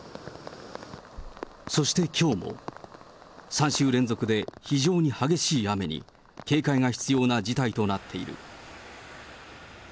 そしてきょうも、３週連続で非常に激しい雨に警戒が必要な事態となっている。